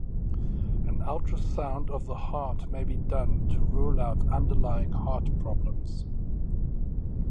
An ultrasound of the heart may be done to rule out underlying heart problems.